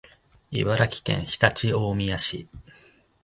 茨城県常陸大宮市